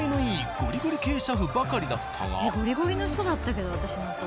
ゴリゴリの人だったけど私乗った時。